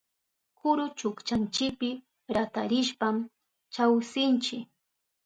Kuru chukchanchipi ratarishpan chawsinchi.